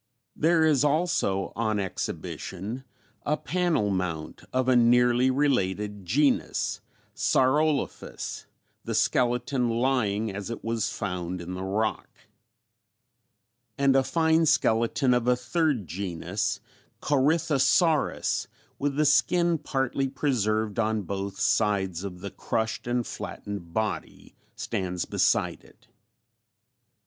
There is also on exhibition a panel mount of a nearly related genus, Saurolophus the skeleton lying as it was found in the rock, and a fine skeleton of a third genus Corythosaurus with the skin partly preserved on both sides of the crushed and flattened body stands beside it.